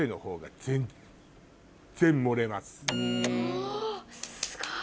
おすごい！